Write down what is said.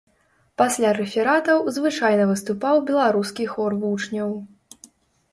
Пасля рэфератаў звычайна выступаў беларускі хор вучняў.